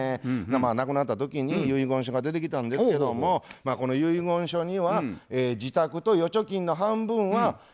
亡くなった時に遺言書が出てきたんですけどもこの遺言書には「自宅と預貯金の半分は塩タンへ相続」と。